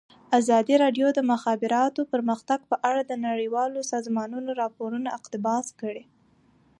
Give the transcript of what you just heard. ازادي راډیو د د مخابراتو پرمختګ په اړه د نړیوالو سازمانونو راپورونه اقتباس کړي.